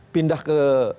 pindah ke dua